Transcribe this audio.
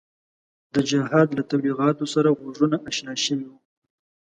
د جهاد له تبلیغاتو سره غوږونه اشنا شوي وو.